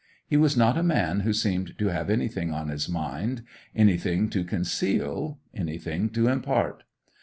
He was not a man who seemed to have anything on his mind, anything to conceal, anything to impart.